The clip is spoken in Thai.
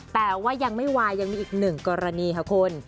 แต่ว่ายังไม่วายยังมีอีกหนึ่งกรณีค่ะคุณ